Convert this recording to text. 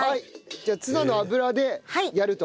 じゃあツナの油でやると。